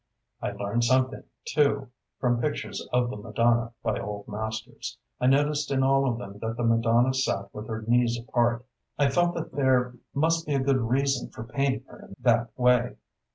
I learned something, too, from pictures of the Madonna, by old masters. I noticed in all of them that the Madonna sat with her knees apart. I felt that there must be a good reason for painting her in that way."